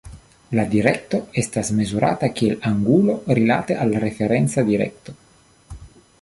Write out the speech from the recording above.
La direkto estas mezurata kiel angulo rilate al referenca direkto.